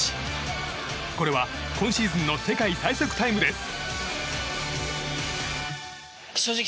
これは、今シーズンの世界最速タイムです。